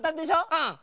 うん。